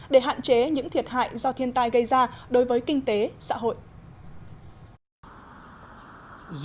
để hạn chế những thiệt hại do thiên tai gây ra đối với kinh tế xã hội